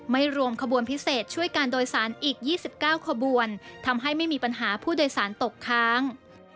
รวมขบวนพิเศษช่วยการโดยสารอีก๒๙ขบวนทำให้ไม่มีปัญหาผู้โดยสารตกค้าง